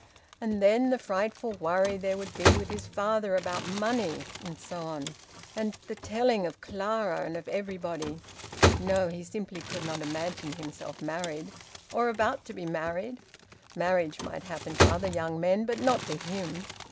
... And then the frightful worry there would be with his father about money, and so on... And the telling of Clara, and of everybody. No! He simply could not imagine himself married, or about to be married. Marriage might happen to other young men, but not to him.